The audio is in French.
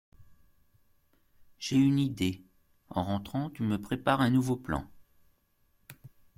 J’ai une idée. En rentrant, tu me prépares un nouveau plan.